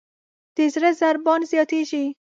د زړه ضربان زیاتېږي.